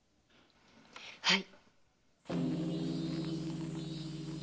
はい。